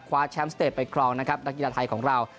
แชมป์สเตจไปครองนะครับนักกีฬาไทยของเรา